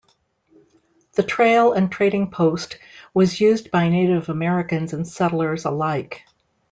The trail and trading post was used by Native Americans and settlers alike.